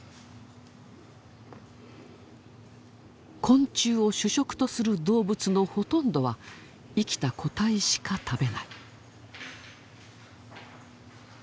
昆虫を主食とする動物のほとんどは生きた個体しか食べない。